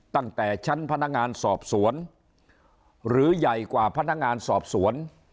ตั้งแต่ชั้นพนักงานสอบสวนหรือใหญ่กว่าพนักงานสอบสวน